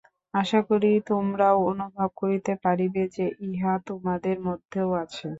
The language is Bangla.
আশা করি, তোমরাও অনুভব করিতে পারিবে যে, ইহা তোমাদের মধ্যেও আছে।